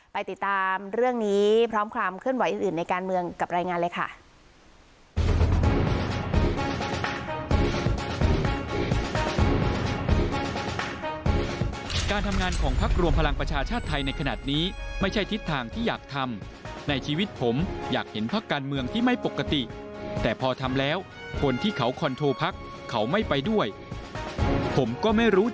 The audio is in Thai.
ไปติดตามเรื่องนี้พร้อมความเคลื่อนไหวอื่นในการเมืองกับรายงานเลยค่ะ